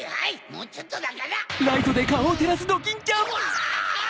もうちょっとだから！ねぇ。